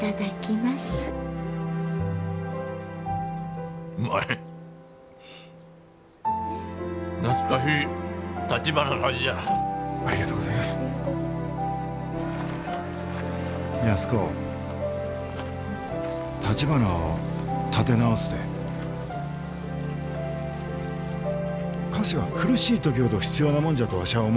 菓子は苦しい時ほど必要なもんじゃとわしゃあ思う。